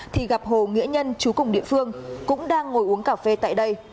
thì gặp hồ nghĩa nhân chú cùng địa phương cũng đang ngồi uống cà phê tại đây